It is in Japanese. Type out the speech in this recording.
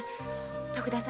徳田様